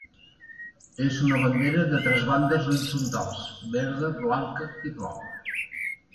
És una bandera de tres bandes horitzontals verda, blanca i blava.